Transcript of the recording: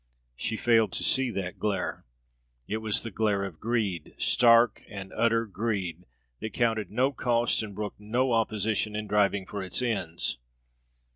She failed to see that glare. It was the glare of greed; stark and utter greed, that counted no cost and brooked no opposition in driving for its ends.